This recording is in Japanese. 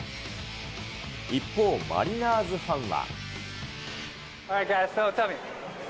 一方、マリナーズファンは。